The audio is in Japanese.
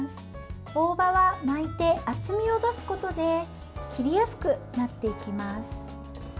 大葉は巻いて厚みを出すことで切りやすくなっていきます。